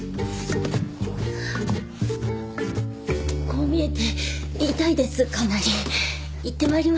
こう見えて痛いですかなり。